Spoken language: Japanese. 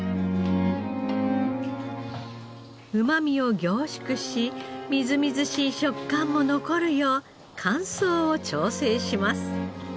うまみを凝縮しみずみずしい食感も残るよう乾燥を調整します。